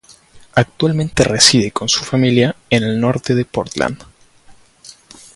Actualmente reside con su familia en el norte de Portland.